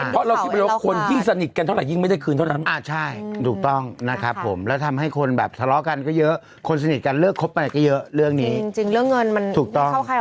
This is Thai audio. ฮาร์ดมากโกรธมากคือไม่รู้จะคุยยังไงนี่เลยอ่ะเอออืมนี่มิ้นต์จะส่งให้